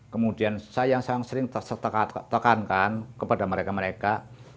kemudian saya yang sering tersekan kepada mereka mereka